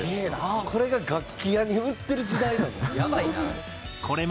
これが楽器屋に売ってる時代なんだ。